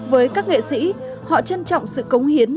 với các nghệ sĩ họ trân trọng sự cống hiến